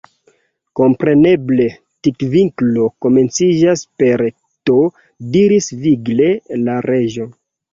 "Kompreneble 'tvinklo' komenciĝas per T" diris vigle la Reĝo.